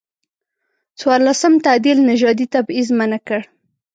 څورلسم تعدیل نژادي تبعیض منع کړ.